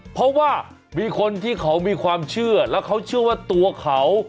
เพราะว่ามีคนที่เขามีความเชื่อแล้วเขาเชื่อว่าตัวเขา